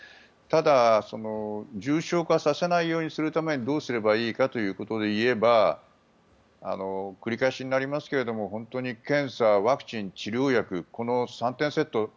ただ、重症化させないようにするためにどうすればいいかということでいえば繰り返しになりますが検査、ワクチン、治療薬この３点セット